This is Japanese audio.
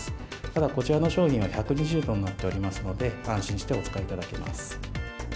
ただこちらの商品は１２０度になっておりますので、安心してお使いいただけます。